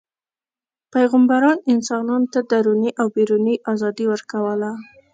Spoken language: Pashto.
پیغمبران انسانانو ته دروني او بیروني ازادي ورکوله.